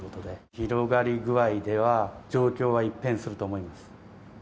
広がり具合では、状況が一変すると思います。